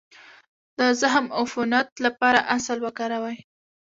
د زخم د عفونت لپاره عسل وکاروئ